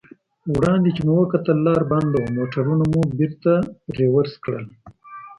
وړاندې چې مو وکتل لار بنده وه، موټرونه مو بېرته رېورس کړل.